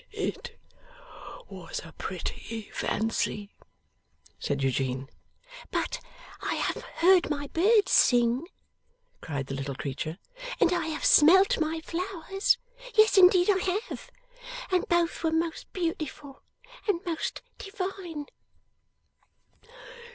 'It was a pretty fancy,' said Eugene. 'But I have heard my birds sing,' cried the little creature, 'and I have smelt my flowers. Yes, indeed I have! And both were most beautiful and most Divine!